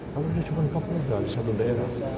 kalau ini cuma kapolda di satu daerah